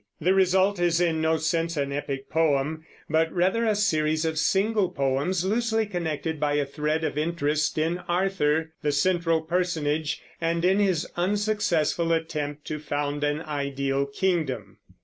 The result is in no sense an epic poem, but rather a series of single poems loosely connected by a thread of interest in Arthur, the central personage, and in his unsuccessful attempt to found an ideal kingdom.